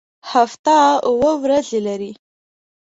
هفته اووه ورځې لري